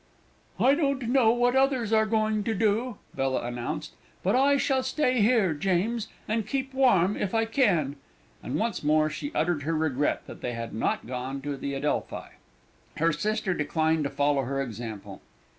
"I don't know what others are going to do," Bella announced; "but I shall stay here, James, and keep warm if I can!" and once more she uttered her regret that they had not gone to the Adelphi. Her sister declined to follow her example.